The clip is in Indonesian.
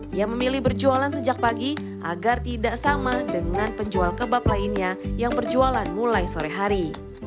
dia memilih berjualan sejak pagi agar tidak sama dengan penjual kebab lainnya yang berjualan mulai sore hari